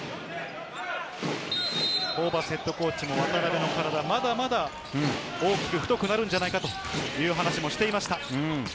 ホーバスＨＣも渡邉の体、まだまだ大きく太くなるんじゃないかという話もしていました。